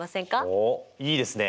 おっいいですね！